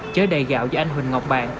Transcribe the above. chở đầy gạo do anh huỳnh ngọc bạn